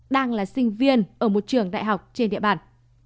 đang là sinh viên ở một trường đại học trên địa bàn